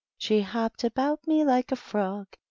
She hopped about me like a frog.